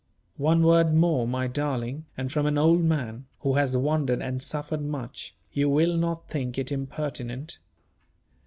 One word more, my darling and from an old man, who has wandered and suffered much, you will not think it impertinent.